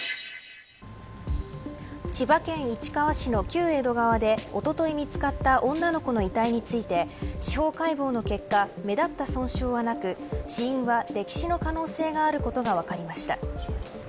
千葉県市川市の旧江戸川でおととい見つかった女の子の遺体について司法解剖の結果目立った損傷はなく死因は溺死の可能性があることが分かりました。